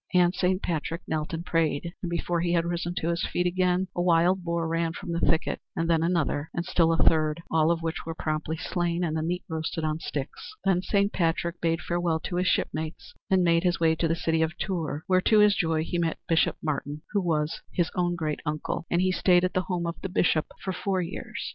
And Saint Patrick knelt and prayed, and before he had risen to his feet again a wild boar ran from the thicket and then another and still a third, all of which were promptly slain and the meat roasted on sticks. Then Saint Patrick bade farewell to his shipmates, and made his way to the city of Tours, where to his joy he met Bishop Martin, who was his own great uncle. And he stayed at the home of the Bishop for four years.